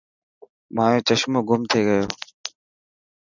مايو چشمو گم ٿي گيو.